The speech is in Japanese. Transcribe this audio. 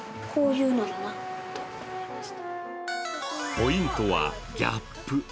ポイントはギャップ。